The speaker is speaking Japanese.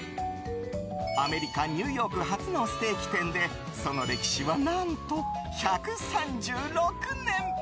アメリカ・ニューヨーク発のステーキ店でその歴史は何と１３６年。